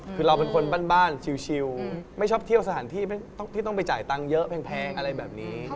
คือเราเป็นคนบ้านชิวไม่ชอบเที่ยวสถานที่ที่ต้องไปจ่ายตังค์เยอะแพงอะไรแบบนี้